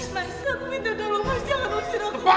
mas aku minta tolong jangan usir aku